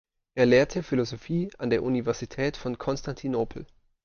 Er lehrte Philosophie an der Universität von Konstantinopel.